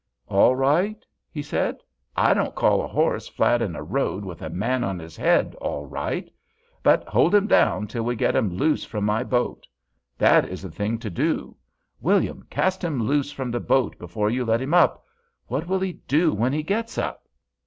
"All right?" he said. "I don't call a horse flat in a road with a man on his head all right; but hold him down till we get him loose from my boat. That is the thing to do. William, cast him loose from the boat before you let him up! What will he do when he gets up?"